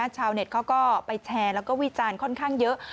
ชาวเน็ตเขาก็ไปแชร์แล้วก็วิจารณ์ค่อนข้างเยอะ